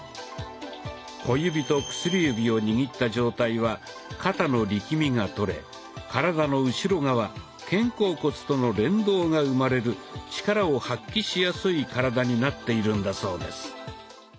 小指と薬指を握った状態は肩の力みがとれ体の後ろ側・肩甲骨との連動が生まれる力を発揮しやすい体になっているんだそうです。